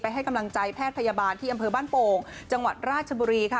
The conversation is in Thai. ให้กำลังใจแพทย์พยาบาลที่อำเภอบ้านโป่งจังหวัดราชบุรีค่ะ